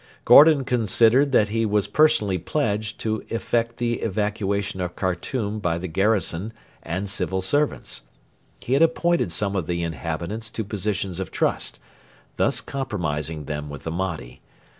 Gordon considered that he was personally pledged to effect the evacuation of Khartoum by the garrison and civil servants. He had appointed some of the inhabitants to positions of trust, thus compromising them with the Mahdi.